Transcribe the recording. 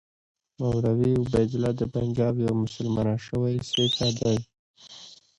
مولوي عبیدالله د پنجاب یو مسلمان شوی سیکه دی.